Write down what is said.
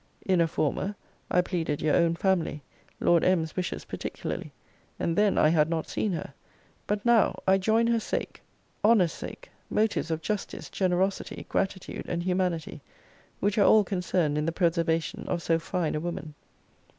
In a former, I pleaded your own family, Lord M.'s wishes particularly; and then I had not seen her: but now, I join her sake, honour's sake, motives of justice, generosity, gratitude, and humanity, which are all concerned in the preservation of so fine a woman.